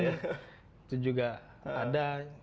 itu juga ada